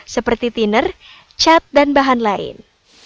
seperti tiner cat dan bahan lain